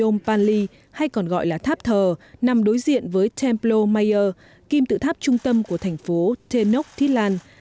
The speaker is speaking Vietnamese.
ông panli hay còn gọi là tháp thờ nằm đối diện với templo mayor kim tự tháp trung tâm của thành phố tenochtitlan